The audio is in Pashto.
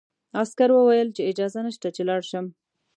عسکر وویل چې اجازه نشته چې لاړ شم.